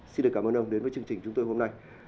xin được cảm ơn ông đến với chương trình chúng tôi hôm nay